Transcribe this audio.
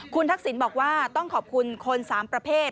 คุณทักษิณบอกว่าต้องขอบคุณคน๓ประเภท